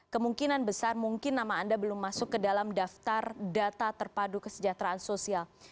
kemungkinan besar mungkin nama anda belum masuk ke dalam daftar data terpadu kesejahteraan sosial